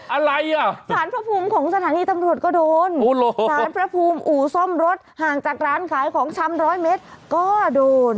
อะไรอ่ะสารพระภูมิของสถานีตำรวจก็โดนสารพระภูมิอู่ซ่อมรถห่างจากร้านขายของชำร้อยเมตรก็โดน